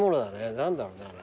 何だろうねあれ。